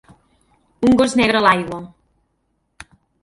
Un gos negre a l'aigua.